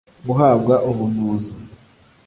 guhabwa ubuvuzi